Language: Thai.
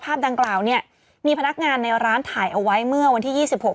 ดังกล่าวเนี่ยมีพนักงานในร้านถ่ายเอาไว้เมื่อวันที่ยี่สิบหก